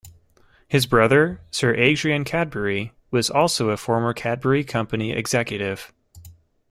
His brother, Sir Adrian Cadbury, was also a former Cadbury company executive.